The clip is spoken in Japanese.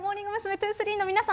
’２３の皆さん